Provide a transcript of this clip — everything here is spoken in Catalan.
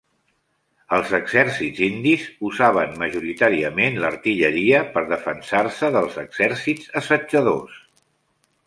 Els exèrcits indis usaven majoritàriament l'artilleria per defensar-se dels exèrcits assetjadors.